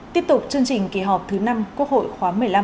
tiếp tục chương trình kỳ họp thứ năm quốc hội khóa một mươi năm